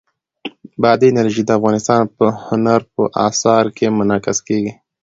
بادي انرژي د افغانستان په هنر په اثار کې منعکس کېږي.